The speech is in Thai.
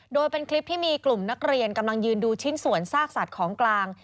โดยเป็นคลิปที่มีกลุ่มนักเรียนกำลังยืนดูชิ้นส่วนซากสัตว์ของกลาง